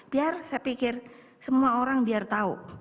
biar saya pikir semua orang biar tahu